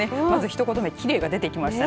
ひと言目きれいが出てきました。